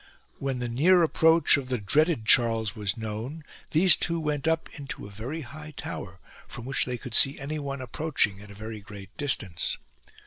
When the near approach of the dreaded Charles was known, these two went up into a very high tower, from which they could see anyone ap proaching at a very great distance.